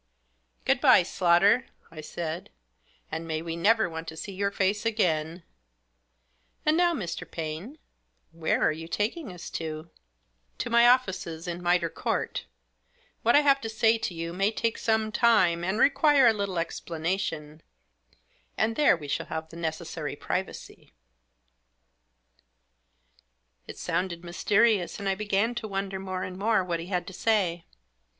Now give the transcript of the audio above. " Good bye, Slaughter !" I said. " And may we never want to see your face again. And now, Mr. Paine, where are you taking us to ?"" To my offices in Mitre Court. What I have to say to you may take some time, and require a little explanation, and there we shall have the necessary privacy." Digitized by THE MISSIONARY'S LETTER. at It sounded mysterious and I began to wonder more and more what he had to say.